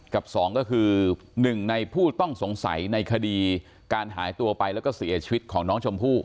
สองก็คือหนึ่งในผู้ต้องสงสัยในคดีการหายตัวไปแล้วก็เสียชีวิตของน้องชมพู่